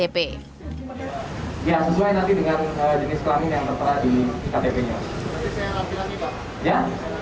ya sesuai nanti dengan jenis kelamin yang tertera di ktp nya